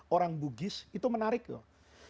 orang bugis itu menarik loh